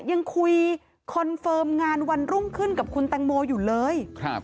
ยังคุยคอนเฟิร์มงานวันรุ่งขึ้นกับคุณแตงโมอยู่เลย